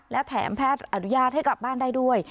และแถมแพทย์อนุญาตให้กลับบ้านได้ด้วย